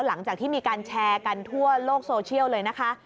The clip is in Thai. หลังจากที่มีการแชร์กันทั่วโลกโซเชียลเลยนะคะ